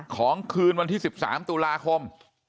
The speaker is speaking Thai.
คืนวันที่๑๓ตุลาคม